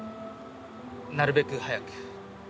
なるべく早く。